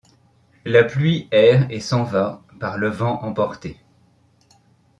La pluie erre et s’en va, par le vent emportée ;